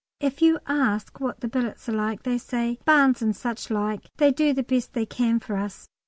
If you ask what the billets are like, they say, "Barns and suchlike; they do the best they can for us."